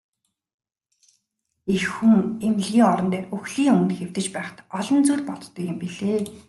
Эх хүн эмнэлгийн орон дээр үхлийн өмнө хэвтэж байхдаа олон зүйл боддог юм билээ.